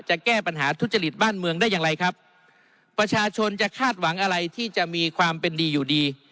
แก้ปัญหาทุจริตบ้านเมืองได้อย่างไรครับประชาชนจะคาดหวังอะไรที่จะมีความเป็นดีอยู่ดี